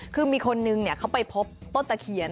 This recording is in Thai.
คือมีคนนึงเขาไปพบต้นตะเคียน